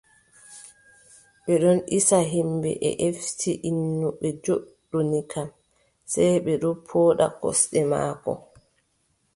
Ɓe ɗon isa yimɓe, ɓe efti innu ɓe joɗɗoni kam, sey ɓe ɗo pooɗa gosɗe maako.